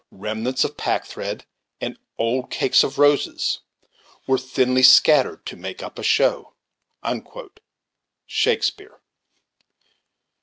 Remnants of packthread, and old cakes of roses, Were thinly scattered to make up a show." Shakespeare.